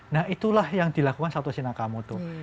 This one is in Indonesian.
nah itulah yang dilakukan satoshi nakamoto